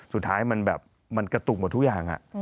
สุดท้ายมันแบบมันกระตุกหมดทุกอย่าง